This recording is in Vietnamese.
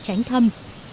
để tránh thâm